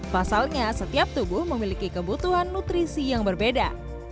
pasalnya setiap tubuh memiliki kebutuhan nutrisi yang berbeda